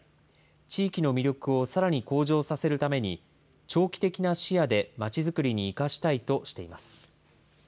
地域の魅力をさらに向上させるために、長期的な視野で街づくりに生かしたいとしています。